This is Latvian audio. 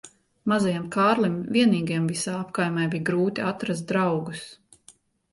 Mazajam Kārlim vienīgajam visā apkaimē bija grūti atrast draugus.